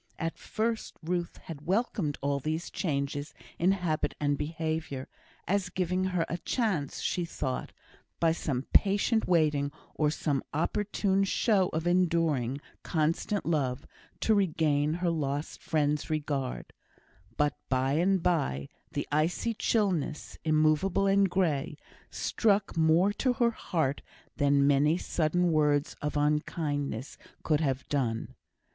At first Ruth had welcomed all these changes in habit and behaviour, as giving her a chance, she thought, by some patient waiting or some opportune show of enduring, constant love, to regain her lost friend's regard; but by and by the icy chillness, immovable and grey, struck more to her heart than many sudden words of unkindness could have done.